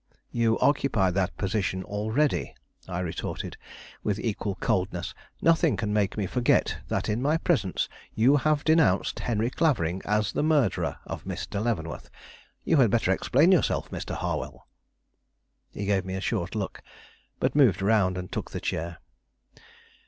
"You occupy that position already," I retorted, with equal coldness. "Nothing can make me forget that in my presence you have denounced Henry Clavering as the murderer of Mr. Leavenworth. You had better explain yourself, Mr. Harwell." He gave me a short look, but moved around and took the chair.